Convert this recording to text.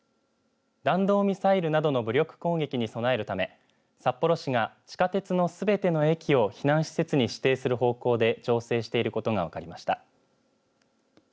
弾道ミサイルなどの武力攻撃に備えるため札幌市が地下鉄のすべての駅を避難施設に指定する方向で調整していることが分かりました。